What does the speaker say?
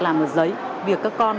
làm ở giấy việc các con